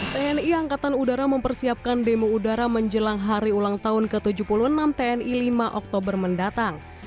tni angkatan udara mempersiapkan demo udara menjelang hari ulang tahun ke tujuh puluh enam tni lima oktober mendatang